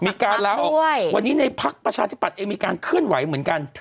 มีการลาออกวันนี้ในพักประชาธิบัตย์เองมีการเคลื่อนไหวเหมือนกัน